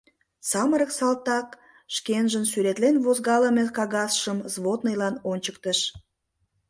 Самырык салтак шкенжын сӱретлен возгалыме кагазшым взводныйлан ончыктыш.